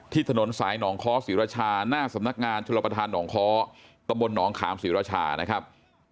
ที่ถนนสายหนองคศิรชาหน้าสำนักงานชุมประธานหนองคตนคศิรชานะครับ